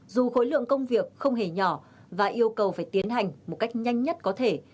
dù khối lượng công việc không hề nhỏ và yêu cầu phải tiến hành một cách nhanh nhất có thể